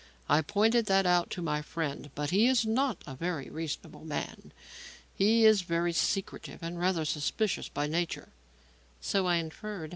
I pointed that out to my friend, but he is not a very reasonable man. He is very secretive and rather suspicious by nature." "So I inferred.